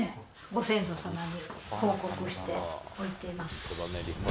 ご先祖様に報告して置いています。